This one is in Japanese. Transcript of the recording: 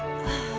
ああ。